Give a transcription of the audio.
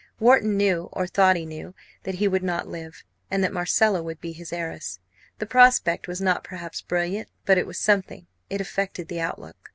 Wharton knew, or thought he knew, that he would not live, and that Marcella would be his heiress. The prospect was not perhaps brilliant, but it was something; it affected the outlook.